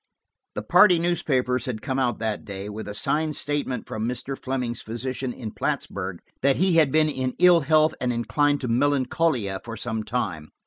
The party newspapers had come out that day with a signed statement from Mr. Fleming's physician in Plattsburg that he had been in ill health and inclined to melancholia for some time.